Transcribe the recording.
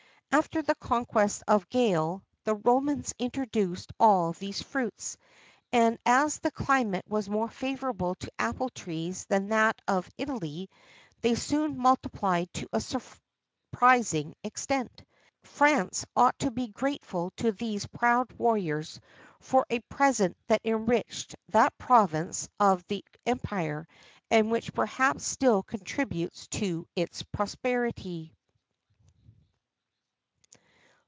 After the conquest of Gaul, the Romans introduced all these fruits;[XIII 24] and as the climate was more favourable to apple trees than that of Italy, they soon multiplied to a surprising extent. France ought to be grateful to those proud warriors for a present that enriched that province of the empire, and which perhaps still contributes to its prosperity.